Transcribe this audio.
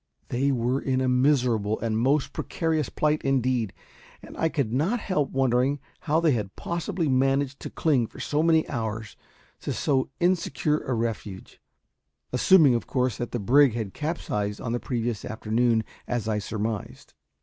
They were in a miserable and most precarious plight, indeed; and I could not help wondering how they had possibly managed to cling for so many hours to so insecure a refuge assuming, of course, that the brig had capsized on the previous afternoon, as I surmised.